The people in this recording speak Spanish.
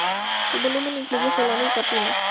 El volumen incluye solana y capilla.